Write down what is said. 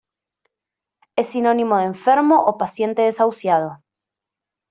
Es sinónimo de enfermo o paciente desahuciado.